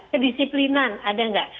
kedisiplinan ada nggak